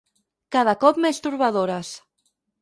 Cada cop més torbadores.